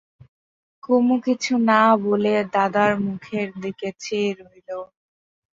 কুমু কিছু না বলে দাদার মুখের দিকে চেয়ে রইল।